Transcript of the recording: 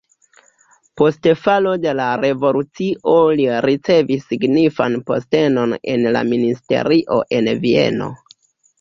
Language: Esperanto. Post falo de la revolucio li ricevis signifan postenon en la ministerio en Vieno.